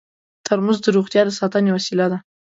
ترموز د روغتیا د ساتنې وسیله ده.